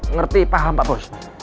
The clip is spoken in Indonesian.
ngerti paham pak bos